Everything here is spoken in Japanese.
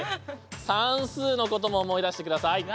算数のことも思い出してください。